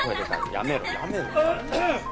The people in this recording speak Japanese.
やめろ